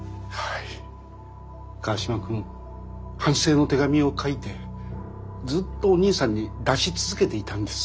川島君反省の手紙を書いてずっとお兄さんに出し続けていたんです。